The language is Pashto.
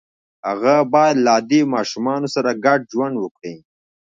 هغه باید له عادي ماشومانو سره ګډ ژوند وکړي